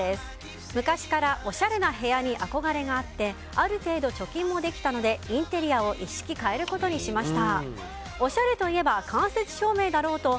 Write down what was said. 昔からおしゃれな部屋に憧れがあってある程度貯金もできたのでインテリアを一式変えることにしました。